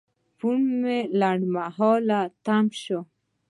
فون مې لنډمهاله تم شو.